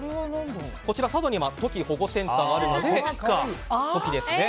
こちら、佐渡にはトキ保護センターがあるのでトキですね。